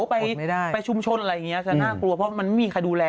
ไปชุมชนอะไรอย่างนี้จะน่ากลัวเพราะมันไม่มีใครดูแล